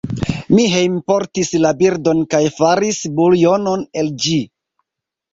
Mi hejmportis la birdon, kaj faris buljonon el ĝi.